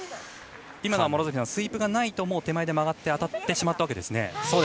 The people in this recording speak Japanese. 今のはスイープがないともう、手前で当たって止まってしまったわけですね。